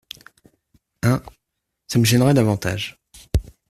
Un… ça me gênerait davantage.